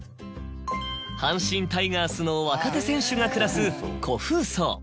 阪神タイガースの若手選手が暮らす虎風荘。